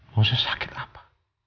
mau sesakit apa